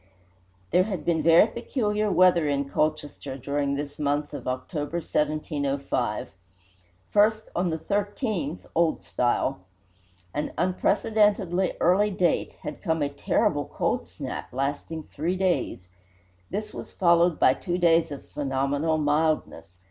There had been very peculiar weather in Colchester during this month of October, 1705. First, on the 13th (Old Style), an unprecedently early date, had come a "terrible cold snap," lasting three days. This was followed by two days of phenomenal mildness.